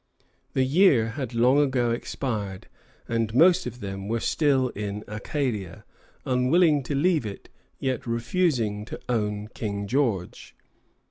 The year had long ago expired, and most of them were still in Acadia, unwilling to leave it, yet refusing to own King George.